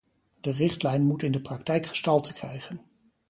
De richtlijn moet in de praktijk gestalte krijgen.